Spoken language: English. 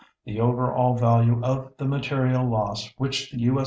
The overall value of the material loss which the U.